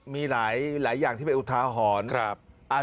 มีหลายอย่างที่เป็นอุทาหรณ์